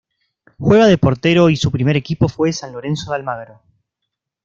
Juega de portero y su primer equipo fue San Lorenzo de Almagro.